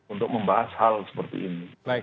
untuk membahas hal seperti ini